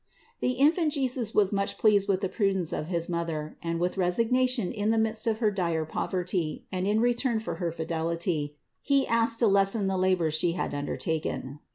658. The Infant Jesus was much pleased with the pru dence of his Mother, and with her resignation in the midst of her dire poverty, and in return for her fidelity He wished to lessen the labors She had undertaken.